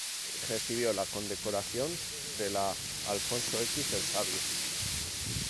Recibió la condecoración de la Alfonso X el Sabio.